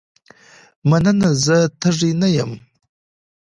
مننه زه تږې نه یم.